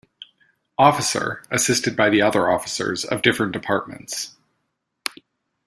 Officer, assisted by the other officers of different departments.